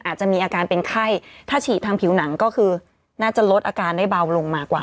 อาจจะมีอาการเป็นไข้ถ้าฉีดทางผิวหนังก็คือน่าจะลดอาการได้เบาลงมากกว่า